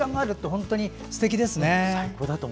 本当にすてきですね。